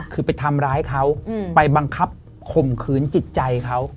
คือไปทำร้ายเขาไปบังคับข่มขืนจิตใจเขา